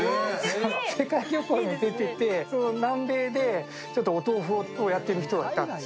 世界旅行に出て、南米でお豆腐をやっている人がいたんです。